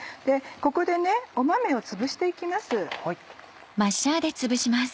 ここで豆をつぶして行きます。